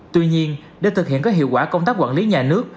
tuy nhiên để thực hiện có hiệu quả công tác quản lý nhà nước